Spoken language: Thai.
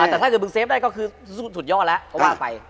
แต่ถ้าเกิดมึงเฟฟได้ก็คือสุดยอดแล้วก็ว่าไป